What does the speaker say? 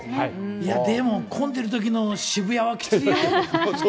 いや、でも混んでるときの渋谷はきついよ。